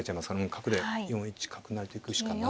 角で４一角成と行くしかないですね。